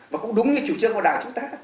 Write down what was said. và cũng đúng như chủ trương của đảng chúng ta